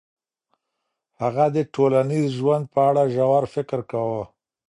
هغه د ټولنیز ژوند په اړه ژور فکر کاوه.